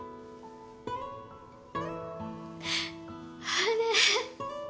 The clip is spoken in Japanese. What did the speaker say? あれ？